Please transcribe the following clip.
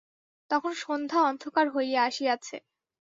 তখন সন্ধ্যা অন্ধকার হইয়া আসিয়াছে।